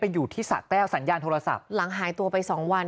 อยู่ที่สะแก้วสัญญาณโทรศัพท์หลังหายตัวไปสองวัน